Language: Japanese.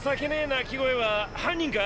泣き声は犯人か？